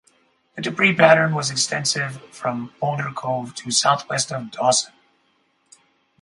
The debris pattern was extensive from Boulder cove to southwest of Dawson.